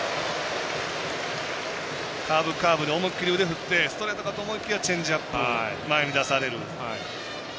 カーブ、カーブで思い切り腕を振ってストレートかと思いきやチェンジアップ、前に出される。